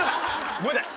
ごめんなさい。